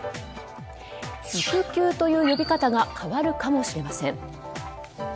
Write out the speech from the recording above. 育休という呼び方が変わるかもしれません。